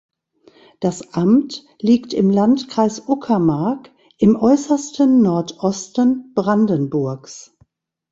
Das Amt liegt im Landkreis Uckermark im äußersten Nordosten Brandenburgs.